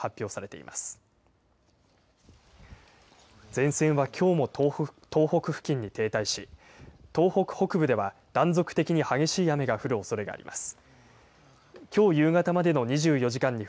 前線はきょうも東北付近に停滞し東北北部では断続的に激しい雨が降るおそれがあります。